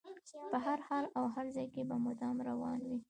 په هر حال او هر ځای کې به مدام روان وي.